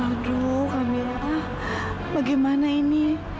aduh kamila bagaimana ini